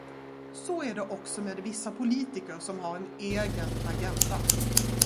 Så är det också med vissa politiker som har en egen agenda.